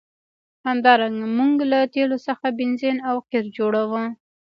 همدارنګه موږ له تیلو څخه بنزین او قیر جوړوو.